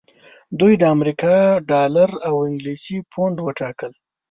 دوی د امریکا ډالر او انګلیسي پونډ وټاکل.